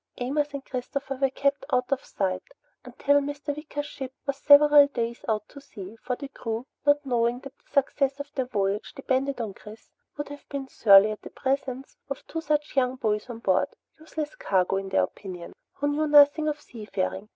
Amos and Christopher were kept out of sight until Mr. Wicker's ship was several days out to sea, for the crew, not knowing that the success of their voyage depended on Chris, would have been surly at the presence of two such young boys on board, useless cargo, in their opinion, who knew nothing of seafaring.